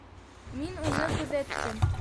Мин уны күҙәттем.